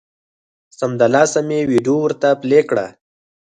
سمدلاسه مې ویډیو ورته پلې کړه